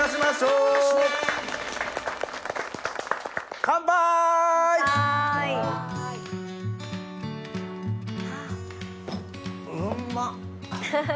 うんまっ。